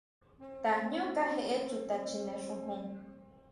¿Tajñu kajeʼe chuta Chjine xujun?